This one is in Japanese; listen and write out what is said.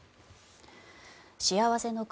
幸せの国